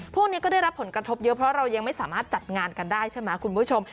พวกนี้ก็ได้รับผลกระทบเยอะเพราะเรายังไม่สามารถจัดงานกันได้ใช่ไหมคุณผู้ชม